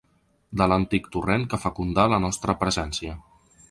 De l’antic torrent que fecundà la nostra presència.